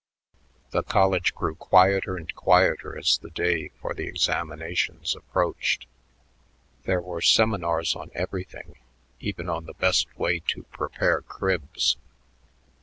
The college grew quieter and quieter as the day for the examinations approached. There were seminars on everything, even on the best way to prepare cribs.